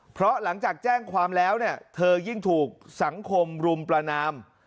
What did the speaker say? เพราะหลังจากแจ้งความแล้วเนี่ยเธอยิ่งถูกสังคมรุมประนาม